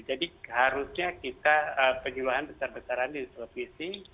jadi harusnya kita penyuluhan besar besaran di televisi